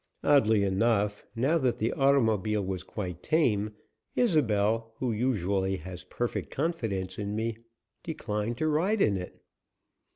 Oddly enough, now that the automobile was quite tame, Isobel, who usually has perfect confidence in me, declined to ride in it.